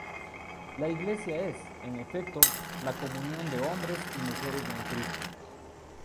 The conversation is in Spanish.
La Iglesia es, en efecto, la comunión de hombres y mujeres en Cristo.